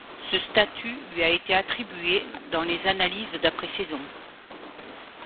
Ce statut lui a été attribué dans les analyses d'après saison.